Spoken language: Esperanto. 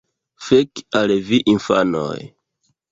Fek' al vi infanoj!